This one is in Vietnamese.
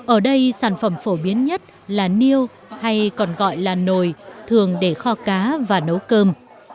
ở đây sản phẩm phổ biến nhất là niêu hay còn gọi là nồi thường để kho cá và nấu cơm